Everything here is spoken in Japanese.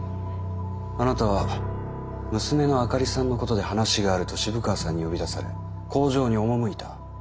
あなたは娘の灯里さんのことで話があると渋川さんに呼び出され工場に赴いた。